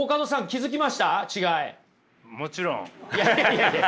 いやいやいや。